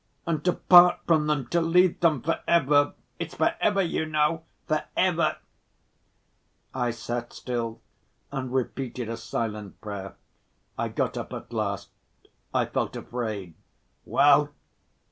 "And to part from them, to leave them for ever? It's for ever, you know, for ever!" I sat still and repeated a silent prayer. I got up at last, I felt afraid. "Well?"